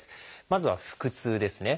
まずは「腹痛」ですね。